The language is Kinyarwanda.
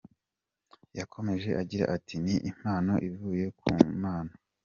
Yakomeje agira ati : “Ni impano ivuye ku Mana.